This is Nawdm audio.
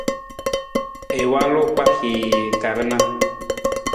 I walu kpahii ka rana.